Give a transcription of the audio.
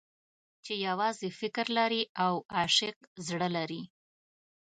چې يوازې فکر لري او عاشق زړه لري.